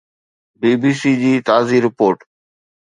بي B C جي تازي report